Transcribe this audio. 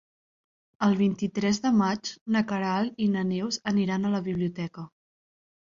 El vint-i-tres de maig na Queralt i na Neus aniran a la biblioteca.